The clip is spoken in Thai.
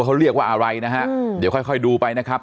เขาเรียกว่าอะไรนะฮะเดี๋ยวค่อยค่อยดูไปนะครับ